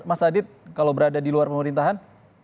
mas adit kalau berada di luar pemerintahan